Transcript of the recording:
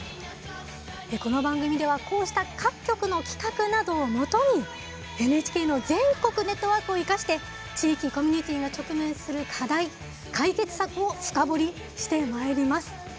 この番組ではこうした各局の企画などをもとにＮＨＫの全国ネットワークを生かして地域コミュニティーが直面する課題解決策を深掘りしてまいります。